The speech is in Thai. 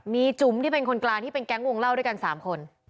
มีจุ๋มที่เป็นคนกลางที่เป็นแก๊งวงเล่าด้วยกัน๓คน